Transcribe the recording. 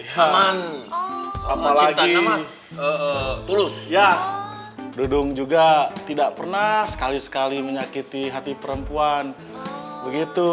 ya man apa lagi ya dudung juga tidak pernah sekali sekali menyakiti hati perempuan begitu